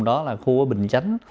đó là khu ở bình chánh